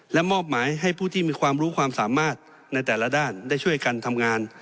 และมอบหมายให้ผู้ที่มีความรู้ความสามารถในแต่ละด้านได้ช่วยกันทำงาน